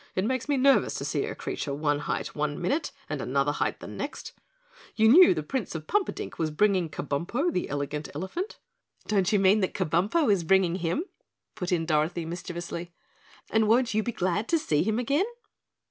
It makes me nervous to see a creature one height one minute and another height the next. You knew the Prince of Pumperdink was bringing Kabumpo, the Elegant Elephant?" "Don't you mean that Kabumpo is bringing him?" put in Dorothy mischievously, "and won't you be glad to see him again?"